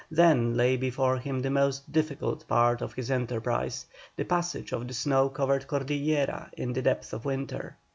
Then lay before him the most difficult part of his enterprise, the passage of the snow covered Cordillera in the depth of winter.